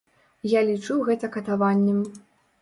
Я лічу гэта катаваннем.